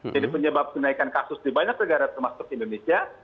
jadi penyebab kenaikan kasus di banyak negara termasuk indonesia